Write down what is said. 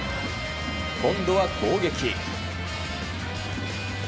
今度は攻撃。